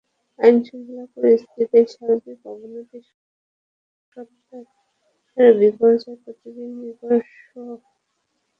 আইনশৃঙ্খলা পরিস্থিতির সার্বিক অবনতির সঙ্গে সঙ্গে মনুষ্যত্বেরও বিপর্যয় প্রতিদিন বীভৎসভাবে দৃশ্যমান হচ্ছে।